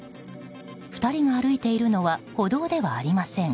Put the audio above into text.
２人が歩いているのは歩道ではありません。